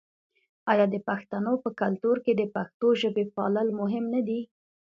آیا د پښتنو په کلتور کې د پښتو ژبې پالل مهم نه دي؟